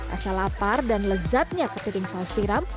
asal lapar dan lezatnya kepiting saus tiram